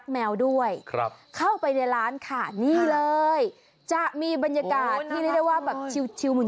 แมวด้วยครับเข้าไปในร้านค่ะนี่เลยจะมีบรรยากาศที่เรียกได้ว่าแบบชิวเหมือน